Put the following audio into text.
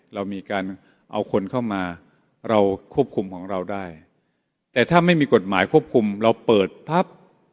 เรามีการเอาคนเข้ามาเราควบคุมของเราได้แต่ถ้าไม่มีกฎหมายควบคุมเราเปิดปั๊บ